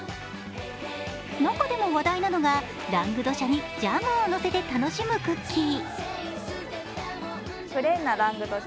中でも話題なのが、ラング・ド・シャにジャムをのせて楽しむクッキー。